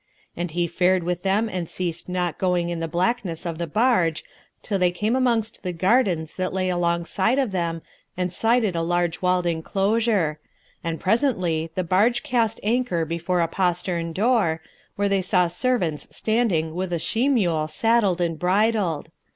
And he fared with them and ceased not going in the blackness of the barge, till they came amongst the gardens that lay alongside of them and sighted a large walled enclosure; and presently, the barge cast anchor before a postern door, where they saw servants standing with a she mule saddled and bridled.